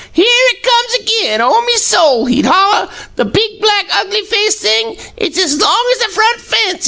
'Here it comes ag'in, oh, me soul!' he'd holler. 'The big, black, ugly faced thing; it's as long as the front fence!'